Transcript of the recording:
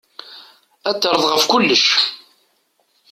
Ad d-terreḍ ɣef kullec.